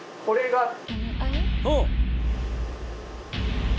これが。